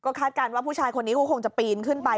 คาดการณ์ว่าผู้ชายคนนี้ก็คงจะปีนขึ้นไป